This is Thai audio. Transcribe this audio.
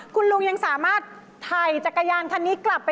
คุณลุงยังสามารถถ่ายจักรยานคันนี้กลับไป